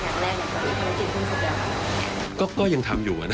ถ้าเรียกว่าวันนี้ภารกิจสิ้นสุดแล้ว